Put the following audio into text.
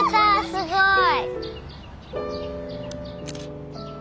すごい。